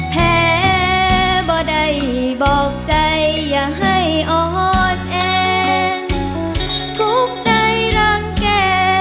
แพ้บ่ได้บอกใจอย่าให้ออดเองทุกข์ใดรังแก่